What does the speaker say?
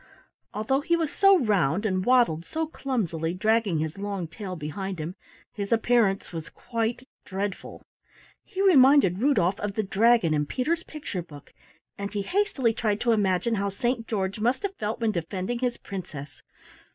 Although he was so round and waddled so clumsily, dragging his long tail behind him, his appearance was quite dreadful. He reminded Rudolf of the dragon in Peter's picture book, and he hastily tried to imagine how Saint George must have felt when defending his princess.